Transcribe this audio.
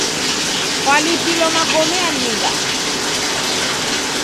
Kwalipilo magome alinga?